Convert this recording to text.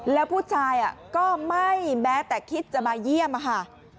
แล้วผู้ชายก็ไม่แม้แต่คิดจะมาเยี่ยมค่ะ